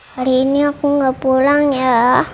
hari ini aku nggak pulang ya